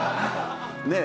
ねえ